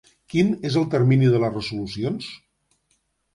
Quin és el termini de les resolucions?